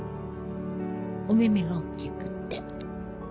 お目々がおっきくって。